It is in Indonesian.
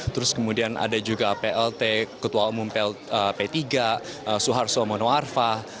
terus kemudian ada juga plt ketua umum p tiga suharto monoarfa